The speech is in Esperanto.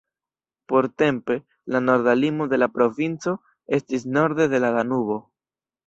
Portempe, la norda limo de la provinco estis norde de la Danubo.